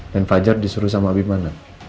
dan fajar disuruh sama abimana